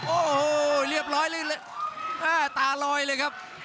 โอ้โหเรียบร้อยเลยหน้าตาลอยเลยครับ